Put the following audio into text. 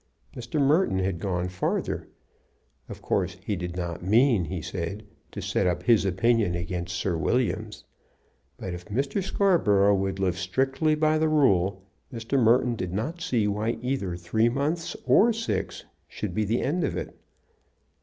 Mr. Merton had gone farther. Of course he did not mean, he said, to set up his opinion against Sir William's; but if Mr. Scarborough would live strictly by rule, Mr. Merton did not see why either three months or six should be the end of it.